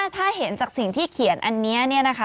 ถ้าเห็นจากสิ่งที่เขียนอันนี้เนี่ยนะคะ